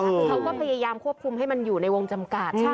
คือเขาก็พยายามควบคุมให้มันอยู่ในวงจำกัดใช่ไหม